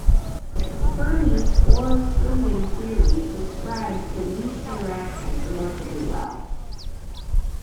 Fermi's four-fermion theory describes the weak interaction remarkably well.